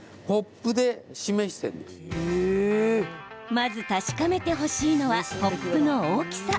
まず確かめてほしいのはポップの大きさ。